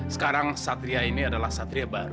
sekarang satria ini adalah satria baru